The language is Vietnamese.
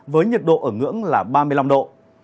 với nhiệt độ ở ngưỡng là ba mươi năm độ